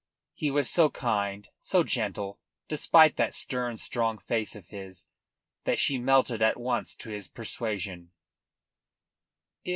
He was so kind, so gentle, despite that stern, strong face of his, that she melted at once to his persuasion.